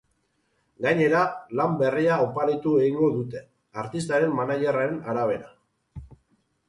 Gainera, lan berria oparitu egingo dute, artistaren managerraren arabera.